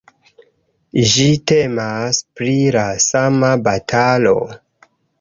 Ĝi temas pri la sama batalo.